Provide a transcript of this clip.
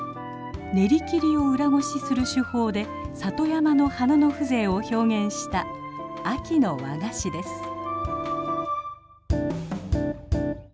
練り切りを裏ごしする手法で里山の花の風情を表現した秋の和菓子です。